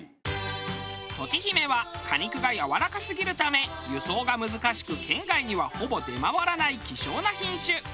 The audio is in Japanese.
とちひめは果肉がやわらかすぎるため輸送が難しく県外にはほぼ出回らない希少な品種。